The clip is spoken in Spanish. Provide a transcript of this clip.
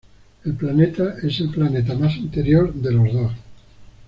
El planeta es el planeta más interior de dos.